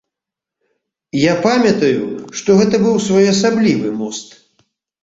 Я памятаю, што гэта быў своеасаблівы мост.